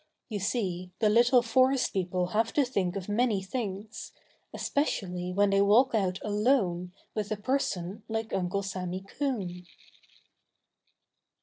You see, the little forest people have to think of many things especially when they walk out alone with a person like Uncle Sammy Coon.